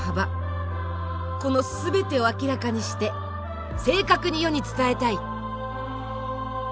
この全てを明らかにして正確に世に伝えたい。